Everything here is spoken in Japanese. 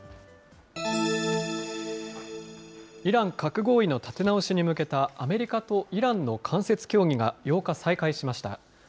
イラン核合意の立て直しに向けたアメリカとイランの間接協議が８日、再開しました。